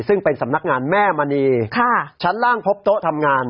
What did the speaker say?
ซึ่งเป็นสำนักงานแม่มณีชั้นล่างพบโต๊ะทำงาน